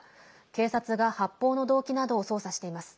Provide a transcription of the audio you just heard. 警察が発砲の動機などを捜査しています。